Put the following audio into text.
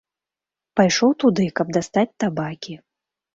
Пайшоў туды, каб дастаць табакі.